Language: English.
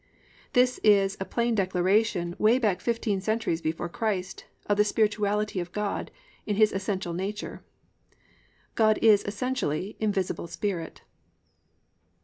"+ This is a plain declaration way back fifteen centuries before Christ, of the spirituality of God in His essential nature. God is essentially invisible spirit.